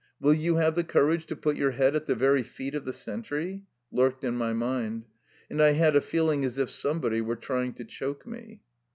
will you have the courage to put your head at the very feet of the sentry?" lurked in my mind. And I had a feeling as if somebody were trying to choke me